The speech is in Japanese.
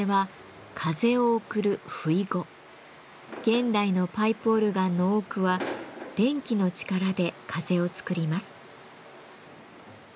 現代のパイプオルガンの多くは電気の力で風を作ります。